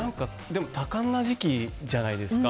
多感な時期じゃないですか。